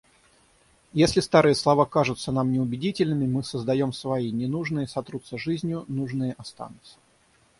Если старые слова кажутся нам неубедительными, мы создаём свои. Ненужные сотрутся жизнью, нужные останутся.